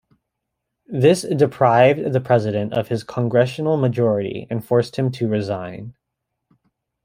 This deprived the president of his congressional majority and forced him to resign.